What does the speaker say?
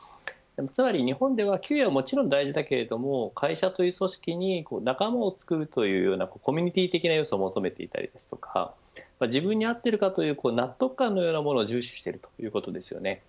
つまり日本では給与はもちろん大事だけれども会社という組織に仲間をつくるというようなコミュニティー的な要素を求めていたりとか自分に合っているかという納得感のようなものを重視しているということですよね。